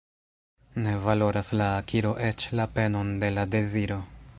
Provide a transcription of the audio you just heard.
Ne valoras la akiro eĉ la penon de la deziro.